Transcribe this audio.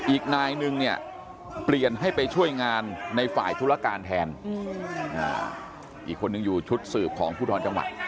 อีกนายนึงเนี่ยเปลี่ยนให้ไปช่วยงานในฝ่ายธุรการแทนอีกคนนึงอยู่ชุดสืบของภูทรจังหวัด